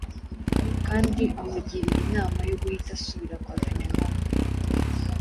kandi amugiriye inama yo guhita asubira kwa Filemoni,